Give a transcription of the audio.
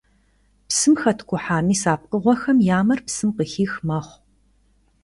Псым хэткӀухьа мис а пкъыгъуэхэм я мэр псым къыхих мэхъу.